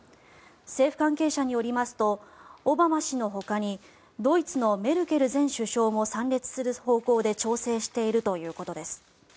政府関係者によりますとオバマ氏のほかにドイツのメルケル前首相も参列する方向で調整しているということです。